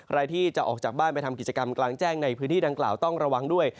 ใครที่จะออกจากบ้านไปทำกิจกรรมกลางแจ้งในพื้นที่ดังกล่าวต้องระวังด้วย